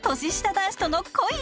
男子との恋！？